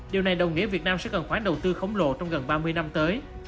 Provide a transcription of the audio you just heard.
điều này đồng nghĩa việt nam sẽ cần khoản đầu tư khổng lồ trong gần ba mươi năm tới